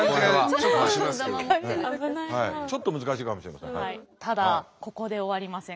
ちょっと難しいかもしれません。